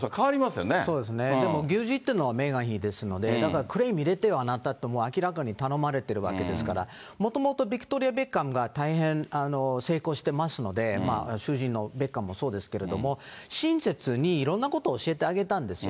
でも牛耳ってるのはメーガン妃ですので、クレーム入れてよと明らかに頼まれてるわけですから、もともとビクトリア・ベッカムが大変成功してますので、主人のベッカムもそうですけれども、親切にいろんなことを教えてあげたんですよ。